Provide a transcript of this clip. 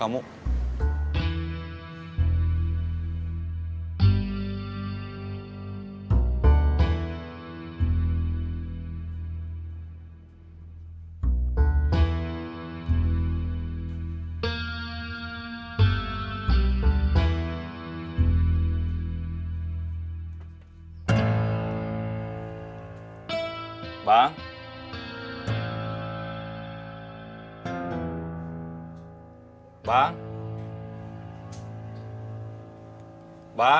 aku bilang oh fum code